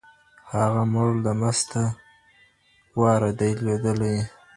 هغه مړ له مسته واره دى لوېدلى